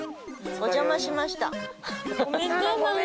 お邪魔しました。